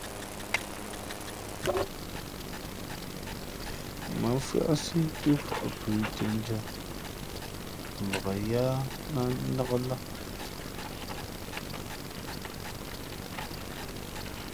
Mά mfʉ́άʼsí túmfα̌ʼ plǔ těʼndʉ́ά mvak yáá ná nnák lά.